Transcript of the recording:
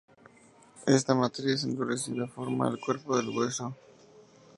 Esta matriz endurecida forma el cuerpo del hueso.